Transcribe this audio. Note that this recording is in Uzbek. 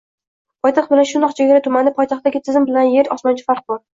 Poytaxt bilan shundoq chegara tumanda poytaxtdagi tizim bilan yer bilan osmoncha farq bor.